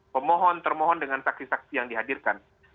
pemohon termohon dengan saksi saksi yang dihadirkan